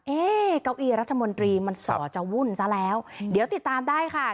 เก้าอี้รัฐมนตรีมันส่อจะวุ่นซะแล้วเดี๋ยวติดตามได้ค่ะ